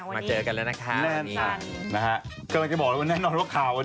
มาเจอกันแล้วนะคะวันนี้แน่นสั่นนะฮะกำลังจะบอกว่าแน่นอนว่าข่าว